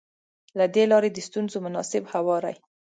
له دې لارې د ستونزو مناسب هواری.